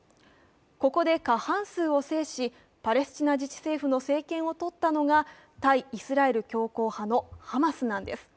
ここで過半数を制し、パレスチナ自治政府の政権をとったのが対イスラエル強硬派のハマスなんです。